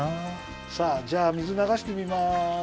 さあじゃあ水ながしてみます！